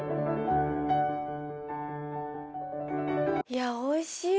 いやあおいしい！